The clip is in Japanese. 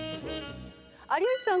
有吉さん